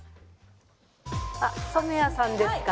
染谷さんですか？